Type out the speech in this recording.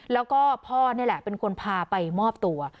แล้วก็พ่อนี่แหละเป็นคนพาไปมอบตัว